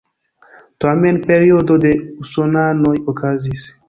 Tamen periodo de usonanoj okazis.